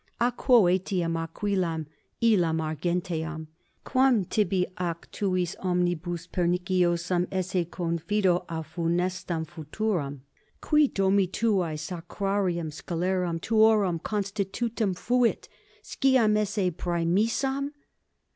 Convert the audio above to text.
a quo etiam aquilam illam argenteam, quam tibi ac tuis omnibus perniciosam esse confido ac funestam futuram, cui domi tuae sacrarium [scelerum tuorum] constitutum fuit, sciam esse praemissam?